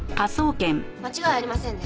間違いありませんね。